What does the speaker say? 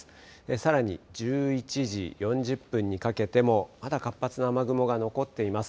さらに１１時４０分にかけてもまだ活発な雨雲が残っています。